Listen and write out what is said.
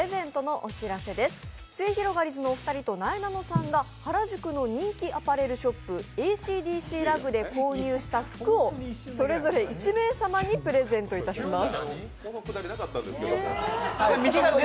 すゑひろがりずのお二人となえなのさんが原宿の人気アパレルショップ、Ａ．ＣＤＣＲＡＧで購入した服をそれぞれ１名様にプレゼントします。